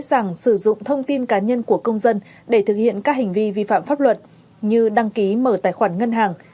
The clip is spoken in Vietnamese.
các đối tượng xấu dễ dàng sử dụng thông tin cá nhân của công dân để thực hiện các hành vi vi phạm pháp luật như đăng ký mở tài khoản ngân hàng